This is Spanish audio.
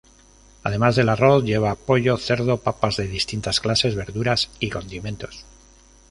Además del arroz, lleva pollo, cerdo, papas de distintas clases, verduras y condimentos.